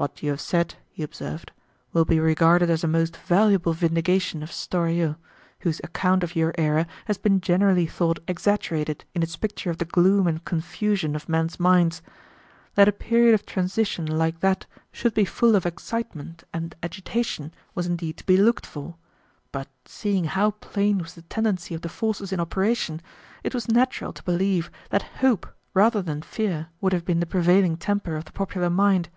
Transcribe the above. "What you have said," he observed, "will be regarded as a most valuable vindication of Storiot, whose account of your era has been generally thought exaggerated in its picture of the gloom and confusion of men's minds. That a period of transition like that should be full of excitement and agitation was indeed to be looked for; but seeing how plain was the tendency of the forces in operation, it was natural to believe that hope rather than fear would have been the prevailing temper of the popular mind."